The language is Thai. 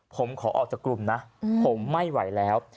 ผมขอออกจากกลุ่มนะผมไม่ไหวแล้ว